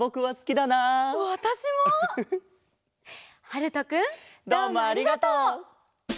はるとくんどうもありがとう。